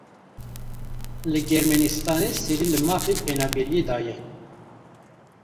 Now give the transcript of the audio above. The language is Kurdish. Li Germanistanê serî li mafê penaberiyê daye.